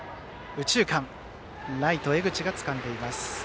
ライト、江口がつかんでいます。